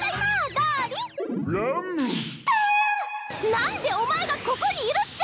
何でお前がここにいるっちゃ！？